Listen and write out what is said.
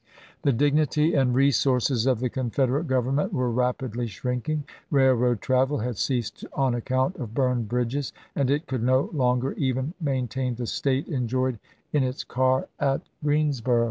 The dignity and resources of the Confederate Government were rapidly shrinking; railroad travel had ceased on account of burned bridges, and it could no longer even maintain the state enjoyed in its car at Greensboro'.